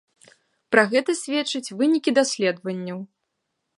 Пра гэта сведчаць вынікі даследаванняў.